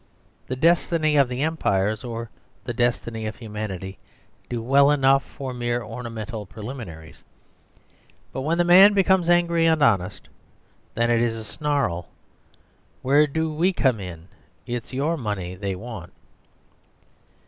"The destiny of the Empire," or "The destiny of humanity," do well enough for mere ornamental preliminaries, but when the man becomes angry and honest, then it is a snarl, "Where do we come in?" or "It's your money they want."